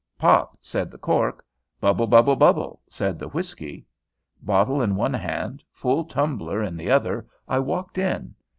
"Pop," said the cork. "Bubble, bubble, bubble," said the whiskey. Bottle in one hand, full tumbler in the other, I walked in.